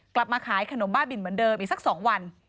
กลับมาขายขนมบ้าบินเหมือนเดิมอีกสัก๒วัน